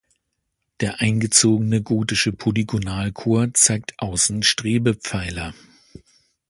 Der eingezogene gotische Polygonalchor zeigt außen Strebepfeiler.